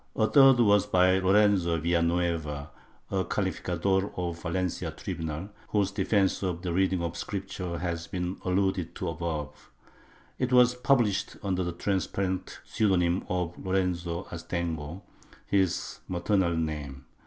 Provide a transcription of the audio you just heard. ^ A third was by Lorenzo Villanueva, a calificador of the Valen cia tribunal, whose defence of the reading of Scripture has been alluded to above. It was published under the transparent pseu donym of Lorenzo Astengo, his maternal name.